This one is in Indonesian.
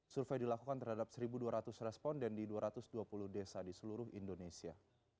survei dilakukan terhadap satu dua ratus responden di dua ratus dua puluh desa di seluruh indonesia